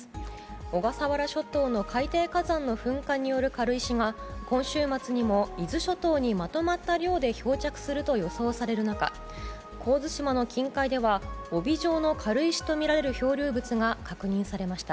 小笠原諸島の海底火山の噴火による軽石が今週末にも伊豆諸島にまとまった量で漂着すると予想される中神津島の近海では帯状の軽石とみられる漂流物が確認されました。